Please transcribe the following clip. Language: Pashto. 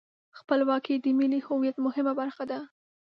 خپلواکي د ملي هویت مهمه برخه ده.